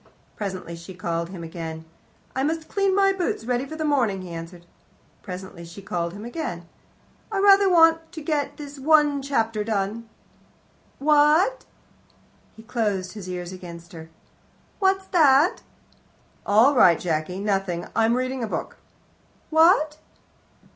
Presently she called him again. "I must clean my boots ready for the morning," he answered. Presently she called him again. "I rather want to get this chapter done." "What?" He closed his ears against her. "What's that?" "All right, Jacky, nothing; I'm reading a book." "What?"